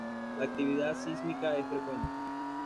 La actividad sísmica es frecuente.